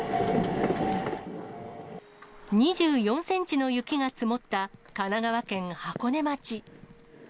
２４センチの雪が積もった神奈川県箱根町。